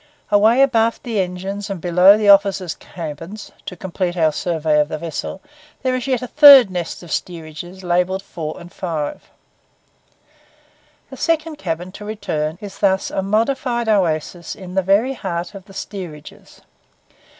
Away abaft the engines and below the officers' cabins, to complete our survey of the vessel, there is yet a third nest of steerages, labelled 4 and 5. The second cabin, to return, is thus a modified oasis in the very heart of the steerages.